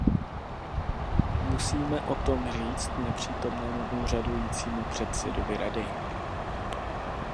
Musíte o tom říci nepřítomnému úřadujícímu předsedovi Rady.